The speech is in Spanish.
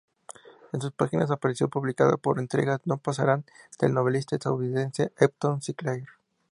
En sus páginas apareció publicada, por entregas, "No pasarán", del novelista estadounidense Upton Sinclair.